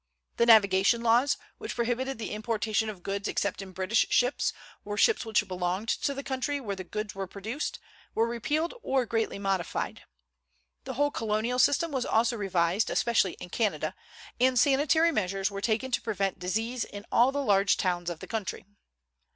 The navigation laws, which prohibited the importation of goods except in British ships, or ships which belonged to the country where the goods were produced, were repealed or greatly modified. The whole colonial system was also revised, especially in Canada; and sanitary measures were taken to prevent disease in all the large towns of the country.